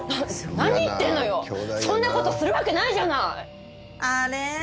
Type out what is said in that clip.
なっ何言ってんのよそんなことするわけないじゃないあれ？